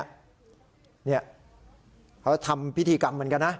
ทำพิธีกรรมเหมือนกันนะ